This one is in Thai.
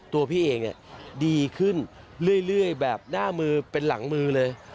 ตัวพี่เองดีขึ้นเรื่อยแบบหน้ามือเป็นหลังมือเลย